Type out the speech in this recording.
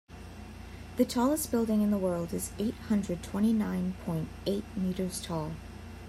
The tallest building in the world is eight hundred twenty nine point eight meters tall.